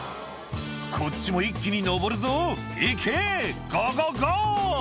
「こっちも一気に上るぞいけゴーゴーゴー！」